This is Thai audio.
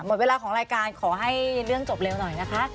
หมดเวลาของรายการขอให้เรื่องจบเร็วหน่อยนะคะ